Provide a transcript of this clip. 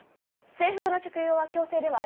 制服の着用は強制ではありません。